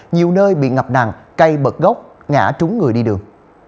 nhiều nơi bị ngập nặng cây bật gốc ngã trúng người đi đường